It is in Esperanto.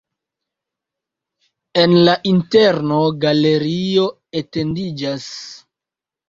En la interno galerio etendiĝas.